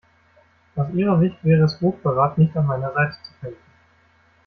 Aus ihrer Sicht wäre es Hochverrat nicht an meiner Seite zu kämpfen.